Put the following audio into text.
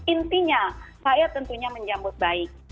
intinya saya tentunya menyambut baik